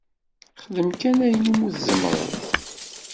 Xdem kan ayen umi tzemreḍ.